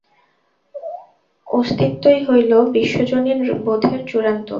অস্তিত্বই হইল বিশ্বজনীন বোধের চূড়ান্ত।